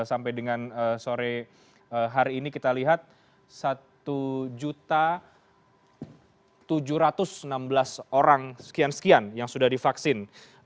sampai dengan sore hari ini kita lihat satu tujuh ratus enam belas orang sekian sekian yang sudah divaksin